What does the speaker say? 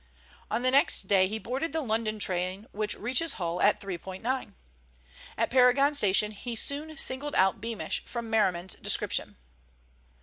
On the next day he boarded the London train which reaches Hull at 3.9. At Paragon Station he soon singled out Beamish from Merriman's description.